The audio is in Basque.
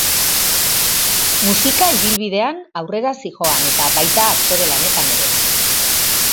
Musika ibilbidean aurrera zihoan eta baita aktore lanetan ere.